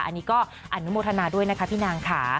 อันนี้ก็อนุโมทนาด้วยนะคะพี่นางค่ะ